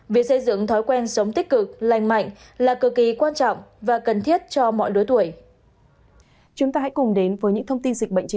việc xây dựng thói quen sống tích cực lành mạnh là cực kỳ quan trọng và cần thiết cho mọi lứa tuổi